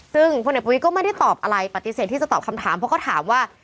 ซึ่งพลเอกประวิทย์ก็ไม่ได้ตอบอะไรปฏิเสธที่จะตอบคำถามเพราะเขาถามว่า